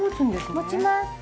持ちます。